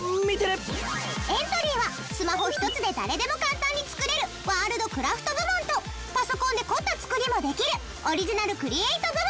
エントリーはスマホ一つで誰でも簡単に作れるワールドクラフト部門とパソコンで凝った作りもできるオリジナルクリエイト部門。